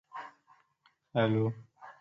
Today, however, the garment has found other uses.